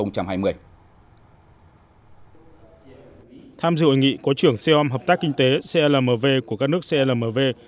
tham dự hội nghị có trưởng xeom hợp tác kinh tế clmv của các nước clmv